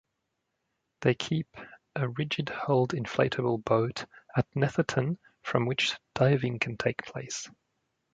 They keep a rigid-hulled inflatable boat at Netherton, from which diving can take place.